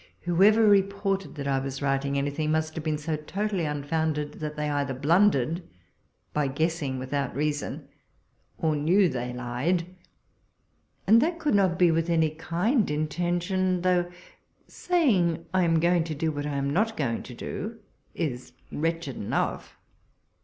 Whoever reported that I was writing anything, must have been so totally unfounded, that they either blundered by guess ing without reason, or knew they lied— and that could not be with any kind intention ; though saying I am going to do what I am not going to do, is wretched enough.